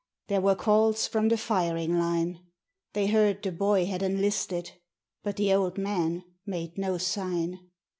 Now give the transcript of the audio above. There were calls from the firing line; They heard the boy had enlisted, but the old man made no sign.